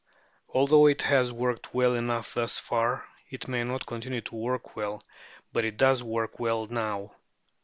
Although it has worked well enough thus far, it may not continue to work well, but it does work well now.